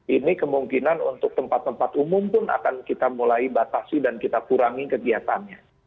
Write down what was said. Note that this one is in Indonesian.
ini kemungkinan untuk tempat tempat umum pun akan kita mulai batasi dan kita kurangi kegiatannya